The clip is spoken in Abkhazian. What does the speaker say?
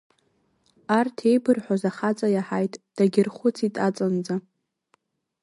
Арҭ еибырҳәоз ахаҵа иаҳаит, дагьархәыцит аҵанӡа.